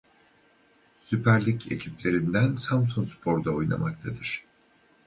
Süper Lig ekiplerinden Samsunspor'da oynamaktadır.